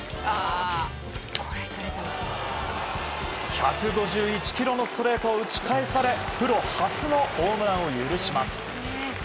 １５１キロのストレートを打ち返されプロ初のホームランを許します。